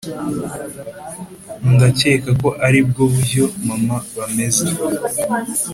ndakeka ko aribwo buryo mama bameze.